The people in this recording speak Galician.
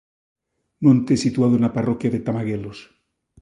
Monte situado na parroquia de Tamaguelos.